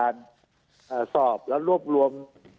ทรอบดรวบรวม